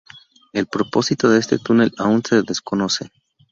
El propósito de este túnel aún se desconoce.